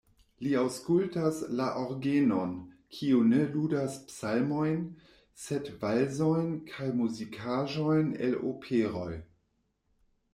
Li aŭskultas la orgenon, kiu ne ludas psalmojn, sed valsojn kaj muzikaĵojn el operoj.